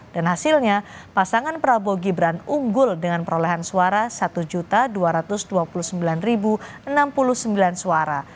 dan hasilnya pasangan prabowo gibran unggul dengan perolehan suara satu dua ratus dua puluh sembilan enam puluh sembilan suara